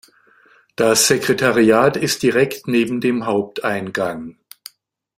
Das Sekretariat ist direkt neben dem Haupteingang.